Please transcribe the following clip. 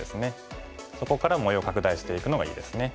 そこから模様を拡大していくのがいいですね。